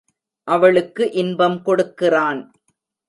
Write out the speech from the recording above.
அவளுக்கு இன்பம் கொடுக்கிறான்.